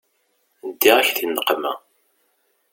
Ddiɣ-ak di nneqma.